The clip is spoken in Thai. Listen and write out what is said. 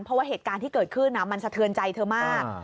เพราะว่าเหตุการณ์ที่เกิดขึ้นมันสะเทือนใจเธอมาก